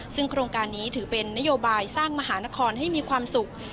ซึ่งโครงการนี้ถือเป็นนโยบายสร้างมหานครให้มีความสุข